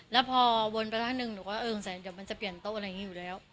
แล้วพอวนไปด้านหนึ่งหนูก็เออสงสัยเดี๋ยวมันจะเปลี่ยนโต๊ะอะไรอย่างนี้อยู่แล้ว